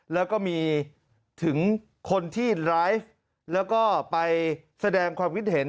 แล้วก็มีถึงคนที่ไลฟ์แล้วก็ไปแสดงความคิดเห็น